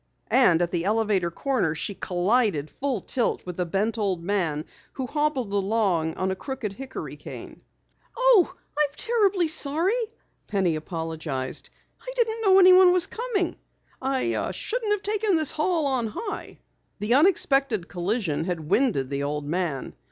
And at the elevator corner she collided full tilt with a bent old man who hobbled along on a crooked hickory cane. "Oh, I'm terribly sorry!" Penny apologized. "I didn't know anyone was coming. I shouldn't have taken this hall on high." The unexpected collision had winded the old man.